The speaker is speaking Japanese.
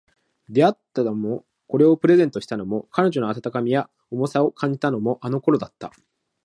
出会ったのも、これをプレゼントしたのも、彼女の温かさや重みを感じたのも、あの頃だった